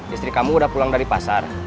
istri kamu udah pulang dari pasar